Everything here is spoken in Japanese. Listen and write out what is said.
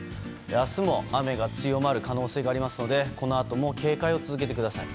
明日も、雨が強まる可能性がありますのでこのあとも警戒を続けてください。